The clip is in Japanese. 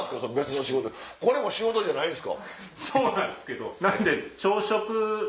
そうなんすけど。